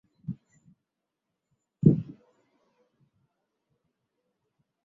সচরাচর টেস্টে তিন নম্বর অবস্থানে থেকে ব্যাটিংয়ে নামতেন।